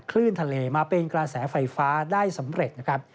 คลื่นทะเลมาเป็นกระแสไฟฟ้าได้สำเร็จนะครับ